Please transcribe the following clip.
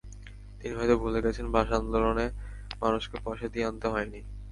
তিনি হয়তো ভুলে গেছেন, ভাষা আন্দোলনে মানুষকে পয়সা দিয়ে আনতে হয়নি।